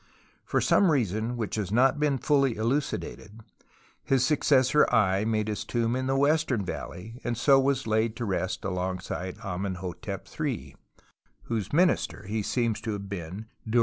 For some reason which has not been fully elucidated, his successor Ay made his tomb in the Western Valley and so was laid to rest alongside Amenhotep HI, whose Minister he seems to have been during 70 TUTANKHAMEN '_